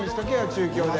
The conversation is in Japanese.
中京で。